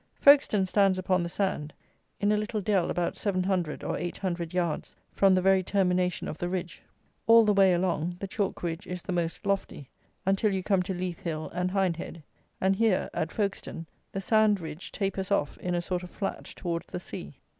Folkestone stands upon the sand, in a little dell about seven hundred or eight hundred yards from the very termination of the ridge. All the way along, the chalk ridge is the most lofty, until you come to Leith Hill and Hindhead; and here, at Folkestone, the sand ridge tapers off in a sort of flat towards the sea.